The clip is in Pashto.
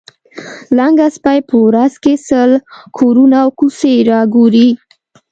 لنګه سپۍ په ورځ کې سل کورونه او کوڅې را ګوري.